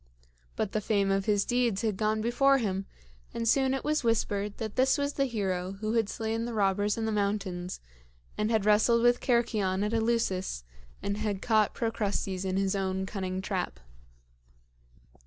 But the fame of his deeds had gone before him, and soon it was whispered that this was the hero who had slain the robbers in the mountains and had wrestled with Cercyon at Eleusis and had caught Procrustes in his own cunning trap.